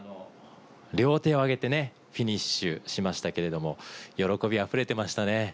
両手を上げてね、フィニッシュしましたけれども、喜びあふれてましたね。